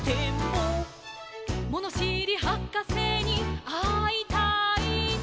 「ものしりはかせにあいたいな」